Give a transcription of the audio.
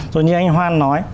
rồi như anh hoan nói